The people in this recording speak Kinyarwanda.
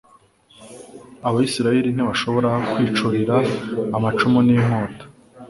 abayisraheli ntibagomba kwicurira amacumu n'inkota